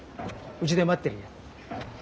うちで待ってるよ。